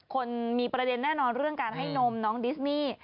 คนมีประเด็นแน่นอนเรื่องการให้นมน้องดิสมี่